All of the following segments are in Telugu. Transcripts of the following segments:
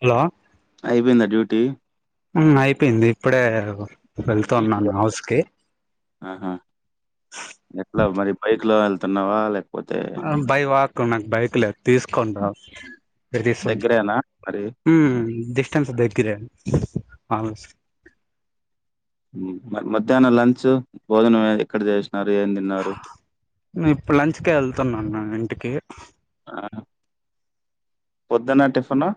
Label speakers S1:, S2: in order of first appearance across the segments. S1: హలో
S2: అయిపోయిదా డ్యూటీ
S1: హ్మ్ అయిపోయింది ఇప్పుడే వెళ్తూన్నాను
S2: ఇప్పుడే
S1: హౌస్ కి
S2: ఆహా! తున్న వాళ్ళ
S1: బై వాక్ నాకు బైక్ లేదు తీస్ కొ ప్రదేశం
S2: దగ్గరేనా మరి?
S1: హ్మ్ డిస్టెన్స్ దగ్గరే అను
S2: మరి మధ్యాహ్నం లంచ్ భోజనం ఎక్కడ చే
S1: ఇప్పుడు లంచ్ కేళ్తున్నా నేన్ కే కే
S2: ఆ హ పొద్దన టిఫను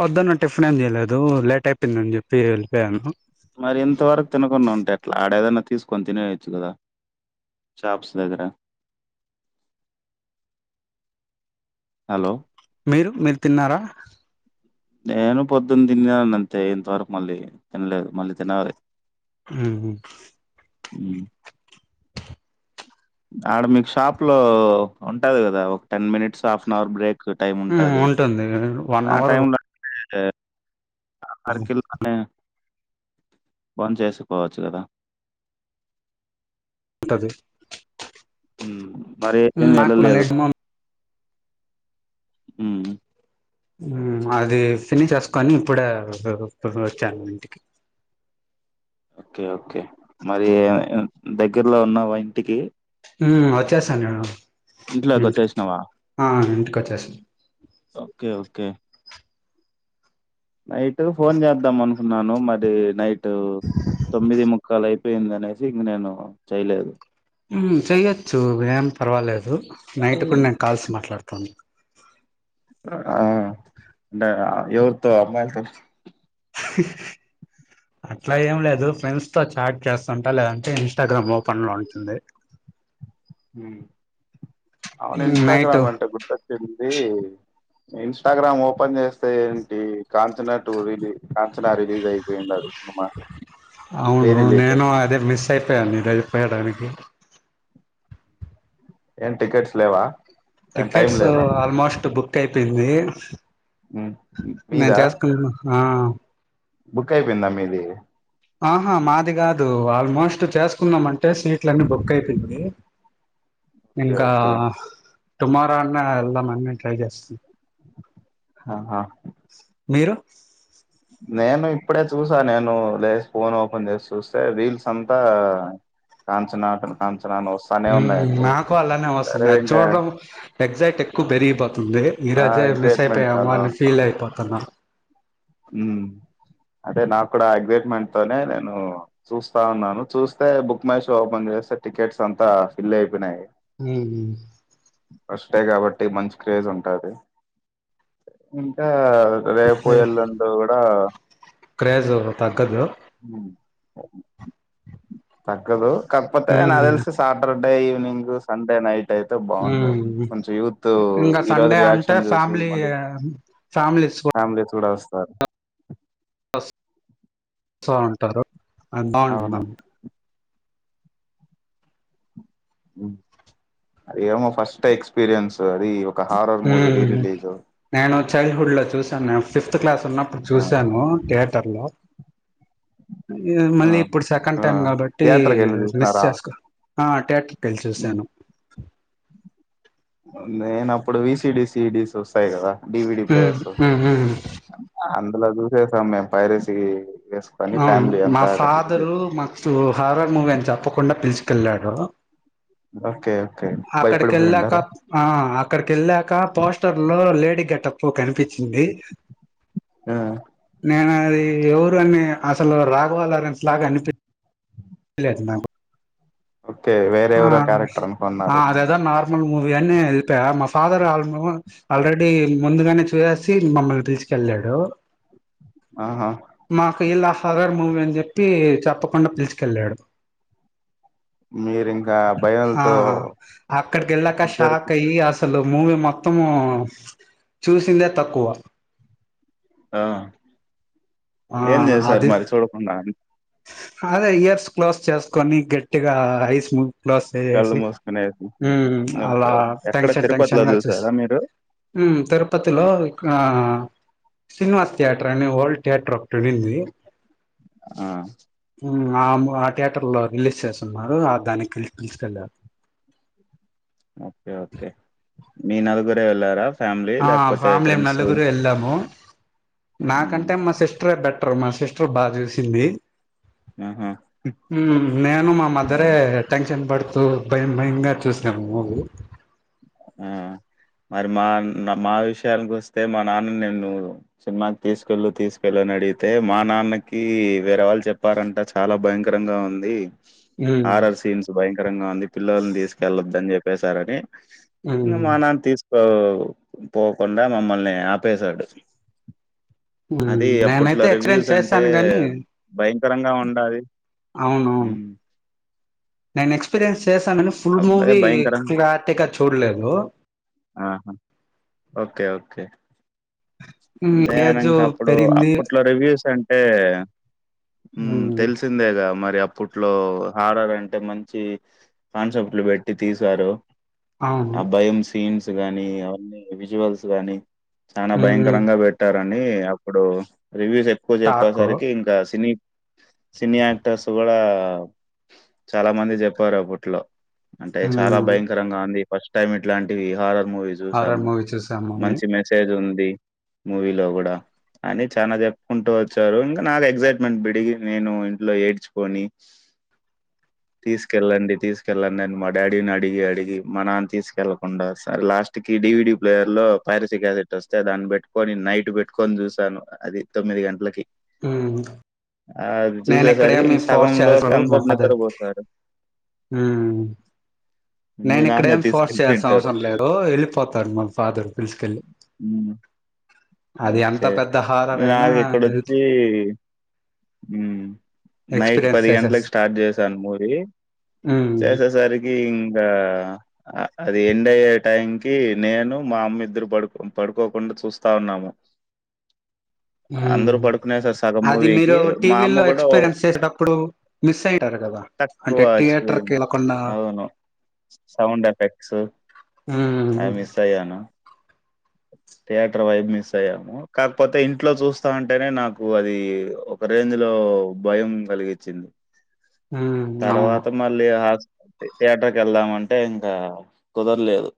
S1: పొద్దున్న టిఫిన్ ఏం చేయలేదు. లేట్ అయిపోందని చెప్పి వెళ్ళిపోయాను.
S2: మరి ఇంత వరకు తినకుండా ఉంటే ఎట్లా ఆడేదన్నా తీసుకొని తినేయచ్చు, కదా షాప్స్ దగ్గర హలో
S1: మీరు మీరు తిన్నారా
S2: నేను పొద్దున్న తిన్నానంతే, ఇంతవరకు మళ్ళీ తినలేదు మళ్ళీ తినాలి.
S1: ఉహుమ్మ్
S2: ఉ ఆడ మీకు షాప్ లో ఉంటది కదా, ఒక ten minutes half an hour break time
S1: ఆ
S2: ఉంటది.
S1: ఉంటుంది కదా ఇంక వన్ అవర్
S2: హే ఆర్ కెల్లానే బంద్ చేసుకోవచ్చు కదా
S1: అదే
S2: హ్మ్ మరి ఏం [unintelligible]
S1: మళ్ళీ
S2: వెళ్ళలేదు
S1: ఏమో,
S2: హ్మ్ మ్
S1: హుమ్మ్ అది ఫినిష్ చేసుకని ఇప్పుడే [unintelligible] వచ్చాను. ఇంటికి
S2: ఓకే ఓకే మరి ఆ దగ్గరలో ఉన్నవా ఇంటికి
S1: హ్మ్ వచ్చేసాను ఇంట్ ఇంటి
S2: ఇంట్లోకొచ్చేసినావా?
S1: ఆ ఇంటికి వచ్చేసి
S2: ఓకే ఓకే నైట్ ఫోన్ చేద్దాం అనుకున్నాను మరి నైట్ తొమ్మిది ముక్కాల యితు పోయింది అనేసి ఇంక నేను చేయలేదు
S1: సయ్యద చు విమ్ పర్వాలేదు
S2: కానీ
S1: నైట్ కూడా నేను కాల్స్ మాట్లాడుతాను
S2: ఆ అంటే ఎవరుతో అమ్మాయిలుతో
S1: అట్లా ఏం లేదు ఫ్రెండ్స్తో చాట్ చేస్తుంటా లేదంటే ఇన్స్టాగ్రామ్ ఓపెన్లో ఉంటుంది
S2: ఉమ్ అవును
S1: నైట్
S2: ఇన్స్టాగ్రామ్ అంటే గుర్తొచ్చింది ఇన్స్టాగ్రామ్ ఓపెన్ చేస్తే ఏంటి Kanchana two release Kanchana release అయిపోయిండది
S1: అవును నేను అదే మిస్ అయిపోయాను డ్రైవ్ పేయడానికి
S2: ఏం టికెట్స్ లేవా ఏం టైం
S1: టికెట్స్
S2: లేదా
S1: ఆల్మోస్ట్ బుక్ కైపోంది
S2: ఉమ్,
S1: నేను
S2: మీదా
S1: చేసుకుంటాన ఆ
S2: బుక్ అయిపోయిందా మీది
S1: ఆహా మాది కాదు ఆల్మోస్ట్ చేసుకున్నాం అంటే సీట్ల అన్ని బుక్ అయిపోయింది
S2: ఓకే
S1: ఇంకా
S2: ఓకే
S1: టుమారో అన్నా వెళ్దాం మన్ని ట్రై చేస్తూ
S2: ఆహా
S1: మీరు
S2: నేను ఇప్పుడే చూసా నేను లే ఫోన్ ఓపెన్ చేసి చూస్తే రీల్స్ అంతా కాంచనా టునే కాంచ
S1: ఉమ్ నాకు అలానే వస్తుంది
S2: సరే
S1: అది
S2: ఇంకా
S1: చూడడం ఎగ్జైట్ ఎక్కువ పెరిగిపోతుంది ఈ
S2: ఆ
S1: రోజే మిస్
S2: ఎగ్జైట్మెంట్
S1: అయిపోయాము
S2: చాలా
S1: అని ఫీల్ అయిపోతున్నా
S2: ఉమ్ అంటే నాకు కూడా అగ్సైట్మెంట్ తోనే నేను చూస్తా ఉన్నాను చూస్తే బుక్ మై షో ఓపెన్ చేస్తే టికెట్స్ అంతా ఫిల్ అయిపోయిన్నాయి
S1: ఉహుమ్
S2: అంతే కాబట్టి మంచి క్రేజ్ ఉంటుది ఇంకా రేపు ఎల్లుండి ఆ
S1: క్రేజ్ తగ్గదు
S2: ఉమ్ తగ్గదు కాకపోతే నాకు
S1: హ్మ్
S2: తెల్సి Saturday evening Sunday night అయితే బాగుంటది
S1: ఉమ్
S2: కొంచెం యూత్
S1: ఇంకా
S2: ఈ రోజు
S1: సండే అంటే
S2: రియాక్షన్ చూసి
S1: ఫ్యామిలీ
S2: మళ్ళీ
S1: ఫ్యామిలీస్
S2: ఫ్యామిలీస్ కూడా వస్తారు
S1: సా ఉంటారు అ
S2: అవును
S1: బాగుంటుంది
S2: ఉమ్ అది ఎమో ఫస్ట్ ఎక్స్పీీరియన్స్ అది ఒక హార్రర్ మూవీ రీ
S1: హ్మ్
S2: రిలీజ్
S1: నేను చైల్డ్హుడ్ లో చూశాం మేము ఫిఫ్త్ క్లాస్ ఉన్నప్పుడు
S2: ఆ
S1: చూశాను కే తర్ల
S2: ఆ
S1: మళ్ళీ ఇప్పుడు సెకండ్
S2: ఆ
S1: టైమ్ కాబట్టి
S2: థియేటర్ కి వెళ్ళి
S1: మిస్
S2: చూసినారా
S1: చేసుకో ట కలిసిూశాను
S2: నేన అప్పుడు విసి డిసిడిసి చూాయి కదా డివిడి
S1: హ్మ్
S2: ప్లేయర్స్
S1: హ్మ్ హ్మ్
S2: అలా చూసే సమయం పైరస
S1: అవును మా ఫాదరు మా హారర్ మూవీ అని చెప్పకుండా పిలుచు కలాడు
S2: ఓకే ఓకే
S1: ఆక్కడకెళ్లాక
S2: భయపడిపోయిండారా
S1: అక్కడకెళ్ళక పోష్ నిద్దర్లో లేడీ గెటప్పు కనిపించింది
S2: ఆ
S1: నేను అది ఎవరు అని అసలు రాగవాలారెన్స్ లాగా అనిపి లేదు నాకు
S2: ఓకే
S1: ఆ
S2: వేరేవరో క్యారెక్టర్
S1: ఆ
S2: అనుకున్నారు
S1: అదేదో మూవీ అని ఎలిపాయా మా ఫాదర్ ఆ ఆల్రెడీ ముందుగానే చూసేసి మమ్మల్ని పిల్చుకెళ్ళాడు
S2: ఆహా
S1: ఇలా ఫాదర్ మూవీ అని చెప్పి చెప్పకుండా పిల్చుకెళ్ళాడు
S2: మీరింకా భయంతో
S1: ఆహా అక్కడికెళ్ళాక
S2: జర్కి
S1: షాక్ అయ్యి అసలు మూవీ మొత్తము చూసిందే తక్కువ
S2: ఆ
S1: ఆ
S2: ఏం చేసారు
S1: అది
S2: మరి చూడకుండా
S1: అదే ఇయర్స్ క్లోజ్ చేసుకొని గట్టిగా ఐస్ క్లోజ్
S2: కళ్ళు
S1: చేసేసి
S2: మూసుకునేసి ఓకే
S1: అలా
S2: ఓకే ఎక్కడ
S1: టెన్షన్
S2: తిరుపతిలో
S1: టెన్షన్ గా చూస
S2: చూసారా మీరు
S1: తిరుపతిలో ఇకా శ్రీనివాస్ థియేటర్ అండి ఓల్డ్ థియేటర్ అదేంది
S2: ఆ
S1: మ్మ్ ఆ ము ఆ థియేటర్ లో రిలీజ్ చేస్తున్నారు ఆ దానికి పిల్స్ పిలుచుకెళ్లారు
S2: ఓకే ఓకే మీ నలుగురే వెళ్ళరా
S1: ఆ ఫ్యామిలీ నలుగురు వెళ్ళాము నాకంటే మా సిస్టరె బెట్ టర్ మా సిస్టర్ బా చూసింది
S2: ఆహా
S1: మ్మ్ నేను మా మధరే
S2: ఉమ్,
S1: టెన్షన్ పడు తు భయం భయంగా చూస్ సాము మూవీ
S2: ఆ మరి మా నా మా విషయానికి వస్తే మా నాన్న నేను సినిమాకి తీసుకెళ్ళు తీసుకెళ్ళు అని అడిగితే మా నాన్నకి వేరే వాళ్ళు చెప్పారంట చాలా భయంకరంగా ఉంది
S1: ఉమ్
S2: ఆర్ఆర్ సీన్స్ భయంకరంగా ఉంది పిల్లని తీసుకెళ్లద్దు అని చెప్పేశారని
S1: ఉమ్
S2: ఇమ్మానా తీసు ఆ పోకుండా మమ్మల్ని ఆపేశాడు అది అప్పట్లో
S1: నేనైతే ఎక్స్ప్
S2: రివ్యూస్ అంటే
S1: చేస్తాను గాని
S2: భయంకరంగా ఉండాలి
S1: అవునువును
S2: హ్మ్
S1: నేను ఎక్స్పీరియన్స్ చేశానని ఫుల్
S2: అదే
S1: మూవీ
S2: భయంకరంగా
S1: క్లటిగా చూడలేదు
S2: ఆహా ఓకే ఓకే
S1: ఉమ్,
S2: అదే
S1: ఏజ్
S2: ఇంక అప్పుడు
S1: పెరిగింది
S2: అప్పట్లో రివ్యూస్ అంట ఏ
S1: ఉమ్,
S2: తెలిసిందేగా మరి అప్పట్లో హారర్ అంటే మంచి కాన్సెప్ట్లు పెట్టి తీసారు
S1: అవును
S2: అబ్బాయం సీన్స్ గానీ అవన్నీ విజువల్స్ గాని చనా బయ
S1: ఉమ్,
S2: కరంగా పెట్టార కానీ అప్పుడు రివ్యూస్ ఎక్కువ
S1: టాకో
S2: చెప్పేసరికి ఇంకా సినీ సినీ యాక్టర్స్ కూడా చాలా మంది చెప్పారు అప్పట్లో అంటే చాలా భయంకరంగా ఉంది ఫస్ట్ టైమ్ ఇట్లాంటివిహార మూవీస్
S1: హారర్
S2: చూసాము
S1: మూవీ చూసాము అని
S2: మంచి మెసేజ్ ఉంద్ టి మూవీలో కూడా అన్ని చనా చెప్పుకుంటూ వచ్చారు ఇంకా నాది ఎక్సైట్మెంట్ విడిగి నేను ఇంట్లో ఏడ్చుకొని తీసుకెళ్ళండి తీసుకెళ్ళండని మా డాడీని అడిగి అడిగి మా నాన్న తీసుకెళ్ళకుండా సర లాస్ట్ కి డివిడి ప్లేయర్ లో ఫైర్సి కాసిట్ వస్తే దాన్ని పెట్ట కొని నైట్ పెట్టుకొని చూసాను అది తొమ్మిది గంటలకి
S1: హ్మ్
S2: అది
S1: నేను
S2: చూసేసరికి
S1: ఇక్కడేమి
S2: ఇంక
S1: ఫోర్స్
S2: సగంలోకి
S1: చేయాల్సిన మా
S2: అందరు
S1: ఫాదర్
S2: నిద్రపోతారు
S1: మ్మ్
S2: మీ
S1: నేను ఇక్కడ
S2: నాన్న
S1: ఏమి ఫోర్స్ చేయాల్సిన
S2: తీసుకెళ్ళిపోయింటారు
S1: అవసరం లేదు వెళ్ళిపోతారు మా ఫాదర్ పిలుసుకెళ్ళి
S2: ఉమ్, ఓకే నాకు ఇక్కడొచ్చి నైట్
S1: ఎక్స్పీరియన్స్
S2: పది గంటలకు
S1: చేసేస్తా
S2: స్టార్ట్ చేశాను మూవీ
S1: ఉమ్,
S2: చేసేసరికి ఇంకా అ అది ఎండ్ అయ్యే టైం కి నేను మా అమ్మ ఇద్దరు పడుకో పడుకోకుండా చూస్తా ఉన్నాము అందరు
S1: ఉమ్.
S2: పడుకునేసారు సగం
S1: అది
S2: మూవీ
S1: మీరు టీవీలో ఎక్స్పీరియన్స్ చేసేటప్పుడు మిస్ అయింటారు కదా
S2: తక్కువ
S1: అంటే థియేటర్కి
S2: ఎక్స్‌పీరియన్స్.
S1: వెళ్లకుండా
S2: అవును. సౌండ్ ఎఫెక్ట్స్ అవి
S1: హుమ్
S2: మిస్ అయ్యాను. థియేటర్ వైబ్ మిస్ అయ్యాము కాకపోతే ఇంట్లో చూస్తా ఉంటేనే నాకు అది ఒక రేంజ్ లో భయం కలిగిచింది
S1: ఉమ్ అవును
S2: తర్వాత మళ్ళీ ఆస్ థియేటర్కి వెళ్దామంటే ఇంకా కుదరలేదు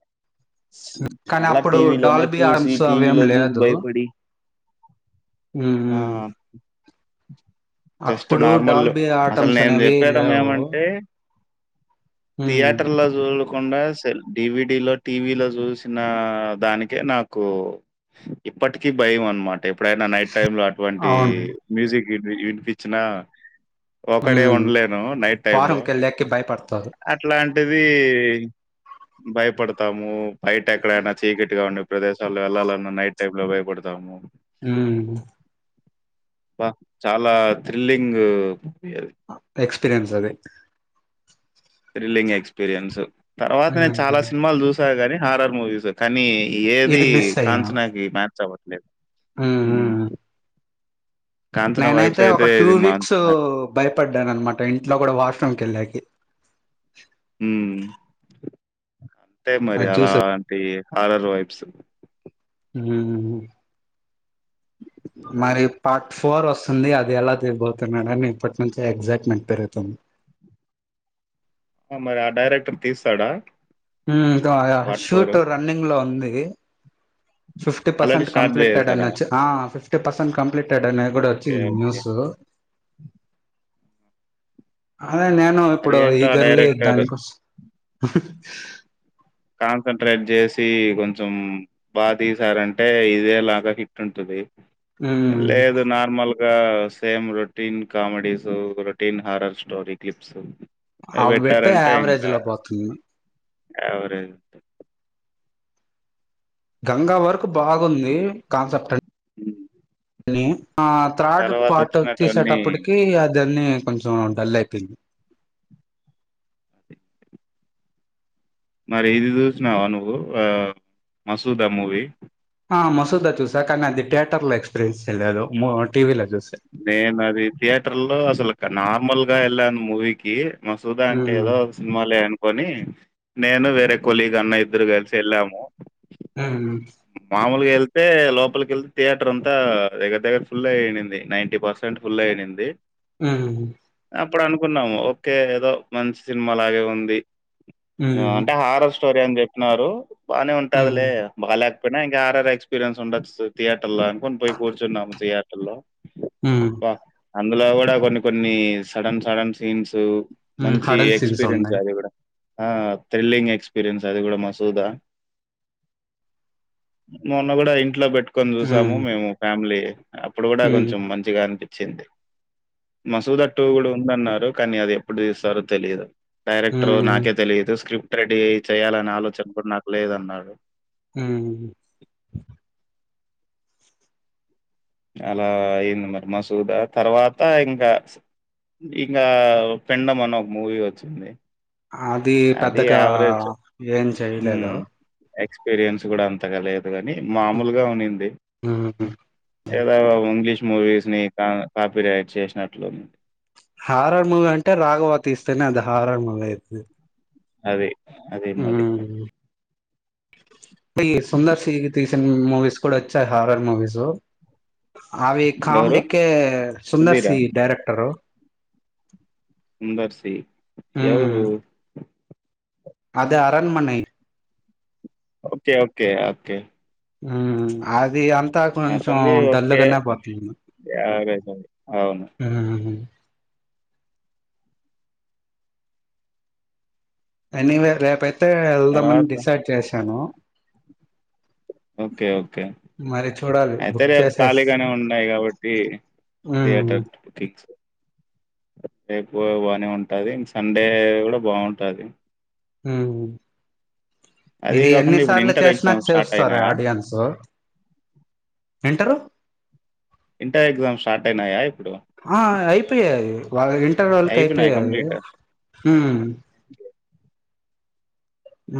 S1: కానీ
S2: అలా
S1: అప్పుడు
S2: టీవీ లో
S1: డాల్బీ
S2: చూసి
S1: ఆర్మ్స్
S2: టీవీ
S1: అవేం
S2: లో చూసి
S1: లేదు
S2: భయపడి ఆ
S1: ఉమ్
S2: జస్ట్
S1: అప్పుడు
S2: నార్మల్
S1: డాల్బి ఆ
S2: అసలు
S1: టమ్స్ అనేవి లేవు ఉమ్
S2: థియటర్లో జూడా కుండా సేల్ డీ వి డీ లో చూసిన దాని కే నాకు ఇప్పటికీ భయం అన్నమట ఎప్పుడైనా నైట్ టైమ్ లో అటువంటి
S1: అవును
S2: మ్యూజిక్ వినీ వినిపించిన ఒకడే
S1: ఉమ్
S2: ఉండలేను నైట్ టైంలో
S1: ఫారం కెళ్ళాకి భయపడతారు
S2: అట్లాంటిది. తీ భయపడతాము. బయట ఎక్కడైనా చీకటిగా ఉండే ప్రదేశాల్లో ఏళ్ళాలన్నా నైట్ టైమ్ లో భయపడతాము.
S1: ఉమ్
S2: బ్బా చాలా థ్రిల్లింగ్ [unintelligible]
S1: క్స్పీరియన్స్ రియన్స్ అదే
S2: థ్రిల్లింగ్ ఎక్స్పీరియన్స్ తర్వాత నేను చాలా
S1: ఉమ్
S2: సినిమాలు చూసా గాని హారర్ మూవీ చూసా కానీ ఏది
S1: ఇది మిస్ అయినా
S2: కంచనా కి మ్యాచ్ అవ్వద్ లేదు
S1: ఉమ్
S2: హ్
S1: ఉమ్ నేనైతే ఒక టూ
S2: మా
S1: వీక్స్
S2: మ్యాచ్ అవ్వలేదు.
S1: భయపడ్డాను. అనమాట ఇంట్లో కూడా వాష్రూమ్కి ఏళ్ళాకి
S2: హ్ అంతే మరి
S1: అది
S2: అలా
S1: చూస
S2: అంటి హార్రర్ వైబ్స్
S1: హ్ హ్ హు మరి పార్ట్ ఫోర్ వస్తుంది. అది ఎలా తీయబోతున్నాడని ఇప్పటి నుంచి ఎగ్జైట్మెంట్ పెరుగుతుంది.
S2: మరి ఆ డైరెక్టర్ తీస్తాడా
S1: హ్ yeah yeah
S2: part
S1: shoot running లో ఉంది. ఎ fifty
S2: already
S1: percent
S2: start
S1: completed అని
S2: చేసేసారా?
S1: వచ్చ ఆ ఫిఫ్ పసంద కం ప్టెడ్ అనేది కూడ
S2: ఓకే.
S1: వచ్చింది
S2: ఓకే.
S1: న్యూస్ అదే నేను
S2: మరి
S1: ఇప్పుడు
S2: ఏంటో ఆ
S1: ఈగర్లి
S2: డైరెక్టర్
S1: దానికోసం [inaudible]
S2: కాన్సట్రేట్ చేసి కొంచెం బా తీసారంటే ఇదే లాగా హిట్ ఉంటుది
S1: ఉమ్
S2: లేదు నార్మల్గా సేమ్ రోటీన్ కామెడీస్ తోటీన్ హారర్ స్టోర క్లిప్స్ అవి
S1: అవ్ పెడతే
S2: పెట్టారంటే ఇంకా
S1: యావరేజ్ల పోతుంది
S2: యావరేజ్
S1: గంగా వర్కు బా ఉంది కాన్సెప్ట్
S2: హ్మ్.
S1: అనీ ఆ త్రాడ్ పాట్
S2: తర్వాతొచ్చినటువన్నీ
S1: తీసేటప్పటికి అది అనీ కొంచెం డల్ అయిపోయింది
S2: మరి ఇది చూసినావా నువ్వు ఆ మసూద మూవీ
S1: ఆ మసూద చూస కానీ అది థియేటర్ లో ఎక్స్పీరియన్స్ చేయలేదు టీవీలో చూస
S2: నేను అది థియేటర్ లో అసలు ఇ నార్మల్ గా ఎళ్ళను మూవీకి మసూదా అంటే
S1: హ్మ్
S2: ఏదో ఒక సినిమాలె అ కొని నేను వేరే కొలీగ్ అన్నా ఇద్దరు కలిసి వెళ్ళాము
S1: హమ్
S2: మామూలుగా ఎల్ అయితే లోపలికి వెళ్తే థియేటర్ అంత దగర దగ్గర ఫుల్ అయయింది నైంటీ పర్సెంట్ ఫుల్ అయనిందీ
S1: హమ్
S2: అప్పుడు అనుకున్నాము ఓకే ఏదో మంచి సినిమా లాగే ఉంది అంటే హారర్ స్టో స్టోరీ అని చెప్పినారు బానే ఉంటాధి
S1: హ్మ్
S2: లే బా ఇంక హారర్ ఎక్స్పీరియన్స్ ఉండొచ్చు థియేటర్ లో అనుకోని పోయి కుర్చునం లో
S1: హమ్
S2: అందులో కూడ కొన్ని కొన్ని సడన్ సడన్ సీన్స్
S1: హ్మ్
S2: మంచి
S1: హడల్ సీన్స్
S2: ఎక్స్పీరియన్స్
S1: ఉన్నాయి
S2: అది కూడ ఆ థ్రిల్లింగ్ ఎక్స్పీరియన్స్ అది కూడ మసూద మొన్న గుడా ఇంట్లో బెట్ పెట్టుకొని చూసాము
S1: హ్మ్
S2: మేము ఫ్యామిలీ అప్పుడు గుడా
S1: హ్మ్
S2: కొంచెం మంచిగా అనిపిచ్ చ్చింది మసూద టు కూడా ఉందన్నారు కానీ అది ఎప్పుడు తీస్తారో తెలిదు డైరెక్టర్
S1: హ్మ్
S2: నాకే తెలియదు స్క్రిప్ట్ రెడీ అయ్యి చేయాలనే ఆలోచన కూడా నాకు లేదన్నాడు
S1: హుమ్
S2: అలా ఇంగా మరి మసూద తర్వాత ఇంకా ఇంకా పిండం అనే ఒక మూవీ వచ్చింది
S1: అది పెద్దగా ఏం చేయలేదు
S2: ఎక్స్పీరియన్స్ గుడా అంతగా లేదు గాని మామూలుగా ఉన్నింది
S1: హ్మ్
S2: ఇంగ్లీష్ మూవీస్ ని కాపీరైట్ చేసినట్లు
S1: హారడ్ మూవీ అంటే రాఘవతి ఇస్తేనే అది హారడ్ మూవీ అయింది
S2: అది అదే మరి
S1: అ సుందర్శీకి తీసిన మూవీస్ కూడా వచ్చాయి హారర్ మూవీస్ అవి
S2: ఎవరు?
S1: కమెడికి సుందర్సి డైరెక్టరు
S2: సందర్సి ఎవరు
S1: అది అరణమన
S2: ఓకే ఓకే ఓకే
S1: అది అంత అంతా కొంచెం
S2: అతనిది ఓకే.
S1: డల్గానే పోట్లేదు
S2: యావరేజ్ అది. అవును.
S1: ఎనీవేర్ రెబెల్ అయితే వెళ్దామని
S2: తర్వాత
S1: డిసైడ్ చేశాను
S2: ఓకే ఓకే
S1: మరి చూడాలి
S2: అయితే
S1: బుక్
S2: రేపు
S1: చేసేస్
S2: ఖాళీగానే ఉన్నాయి కాబట్టి
S1: ఉమ్
S2: థియేటర్ బుకింగ్స్ రేప్ పోవ్ బానే ఉంటాది ఇం సండే కూడా బాగుంటాది
S1: హా
S2: అదీ
S1: ఇది ఎన్ని
S2: గాకుండా ఇప్పుడు
S1: సార్లు
S2: ఇంటర్
S1: చేసినా
S2: ఎగ్జామ్స్ స్టార్ట్
S1: చూస్తారు
S2: అయినాయా?
S1: ఆడియన్సు ఏంటరు
S2: ఇంటర్ ఎగ్జామ్ స్టార్ట్ అయినాయ ఇప్
S1: ఆ అయిపోయాయ్ వాళ్ ఇంటరోళ్కి
S2: అయిపోయినాయా
S1: అయిపోయాయి
S2: కంప్లీట్?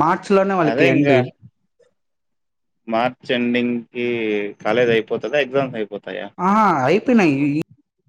S1: మార్చ్ లోనే వాళ్ళకి
S2: అదే
S1: ఎండ్
S2: ఇంగా ర్చ్ ఎండింగ్ కి కాలేజ్ అయిపోతదా ఎగ్జామ్స్ అయిపో
S1: అహా అయిపోనయ్ ఇ